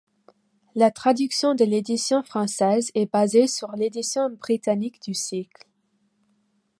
La traduction de l'édition française est basée sur l'édition britannique du cycle.